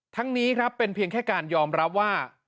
ทั้งนี้ครับเป็นเพียงแค่การยอมรับว่า